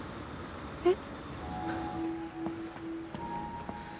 えっ？